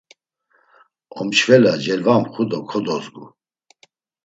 Omçvele celvamxu do kodozgu.